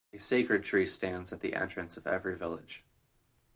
A sacred tree stands at the entrance of every village.